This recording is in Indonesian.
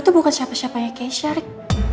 lo tuh bukan siapa siapanya keisha rik